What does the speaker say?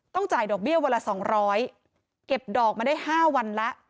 จ่ายดอกเบี้ยวันละ๒๐๐เก็บดอกมาได้๕วันแล้ว